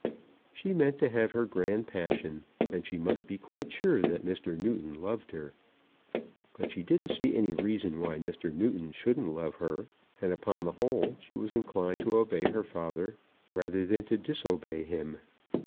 She meant to have her grand passion, and she must be quite sure that Mr. Newton loved her. But she didn't see any reason why Mr. Newton shouldn't love her, and, upon the whole, she was inclined to obey her father rather than to disobey him.